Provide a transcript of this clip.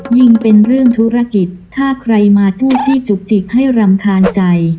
เป็นเรื่องธุรกิจถ้าใครมาจี้จี้จุกจิกให้รำคาญใจ